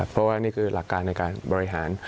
เพราะว่านี่คือหลักการในการบริหาร